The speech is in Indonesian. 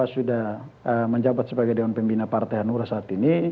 sudah menjabat sebagai dewan pembina partai hanura saat ini